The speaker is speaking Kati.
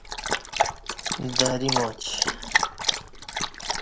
دَری ماچ